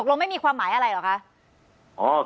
ลงไม่มีความหมายอะไรเหรอคะ